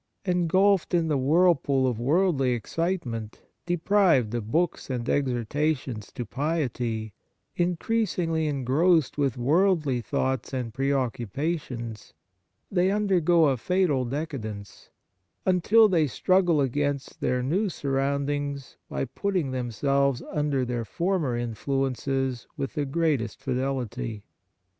Engulfed in the whirlpool of worldly excitement, deprived of books and exhortations to piety, increasingly engrossed with worldly thoughts and preoccupations, they undergo a fatal decadence, unless they struggle against their new sur roundings by putting themselves under their former influences with the greatest fidelity.